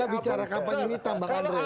kita bicara kapan ini mbak andro